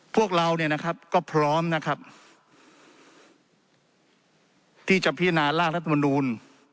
พวกเราเนี่ยนะครับก็พร้อมนะครับที่จะพิจารณาร่างรัฐมนูล